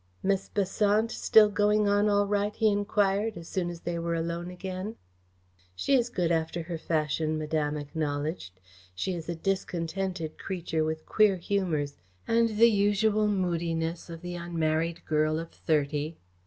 "Miss Besant still going on all right?" he enquired, as soon as they were alone again. "She is good after her fashion," Madame acknowledged. "She is a discontented creature with queer humours, and the usual moodiness of the unmarried girl of thirty.